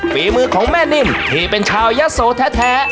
ฝีมือของแม่นิ่มที่เป็นชาวยะโสแท้